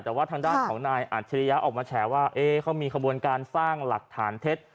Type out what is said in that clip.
แต่ว่าทางด้านของนายอัจฉริยะออกมาแฉว่าเขามีขบวนการสร้างหลักฐานเท็จ